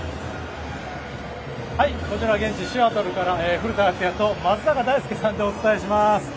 こちら、現地シアトルから古田敦也と松坂大輔さんでお伝えします。